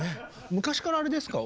昔からあれですか？